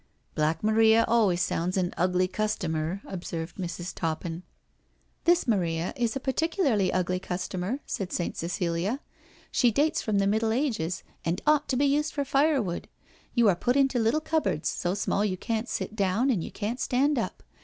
" Black Maria always sounds an ugly customer," observed Mrs. Toppin. " This Maria is a particularly ugly customer," said Saint Cecilia. " She dates from the Middle Ages, and ought to be used for firewood. You are put into little cupboards, so small you can't sit down and you can't stand up.